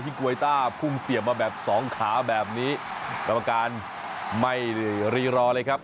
กวยต้าพุ่งเสียบมาแบบสองขาแบบนี้กรรมการไม่รีรอเลยครับ